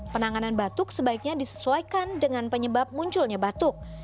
penanganan batuk sebaiknya disesuaikan dengan penyebab munculnya batuk